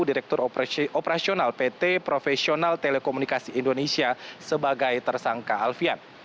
direktur operasional pt profesional telekomunikasi indonesia sebagai tersangka alfian